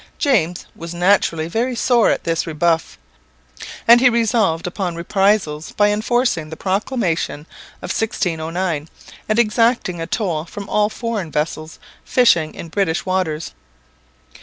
James was naturally very sore at this rebuff, and he resolved upon reprisals by enforcing the proclamation of 1609 and exacting a toll from all foreign vessels fishing in British waters.